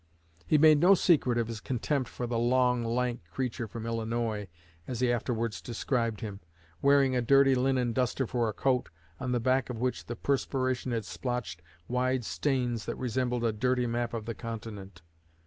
He made no secret of his contempt for the "long, lank creature from Illinois," as he afterwards described him, "wearing a dirty linen duster for a coat, on the back of which the perspiration had splotched wide stains that resembled a dirty map of the continent."